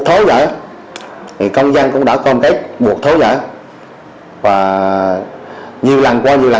thiếu đảm bảo điều kiện an toàn tiềm mẩn nhiều rủi ro